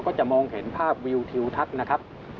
ก็จะมองเห็นภาพวิวทิวทักนะครับ